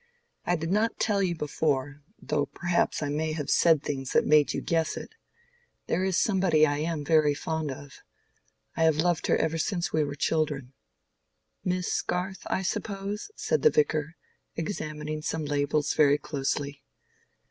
"I did not tell you before, though perhaps I may have said things that made you guess it. There is somebody I am very fond of: I have loved her ever since we were children." "Miss Garth, I suppose?" said the Vicar, examining some labels very closely.